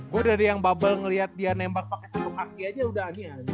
gue dari yang bubble ngeliat dia nembak pake satu kaki aja udah anjing